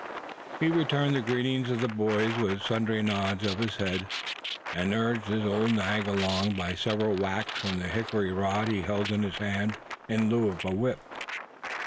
He returned the greetings of the boys with sundry nods of his head, and urged his old nag along by several whacks from the hickory rod he held in his hand in lieu of a whip.